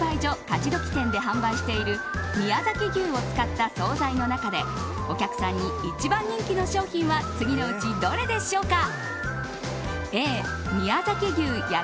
勝どき店で販売している宮崎牛を使った総菜の中でお客さんに１番人気の商品は次のうちどれでしょうか？